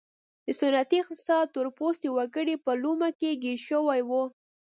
د سنتي اقتصاد تور پوستي وګړي په لومه کې ګیر شوي وو.